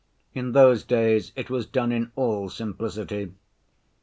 In those days it was done in all simplicity.